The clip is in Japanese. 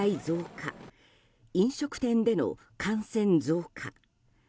増加飲食店での感染増加